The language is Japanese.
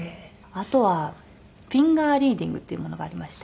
あとはフィンガー・リーディングっていうものがありまして。